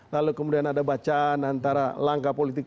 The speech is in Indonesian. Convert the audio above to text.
lalu kemudian ada bacaan antara langkah politik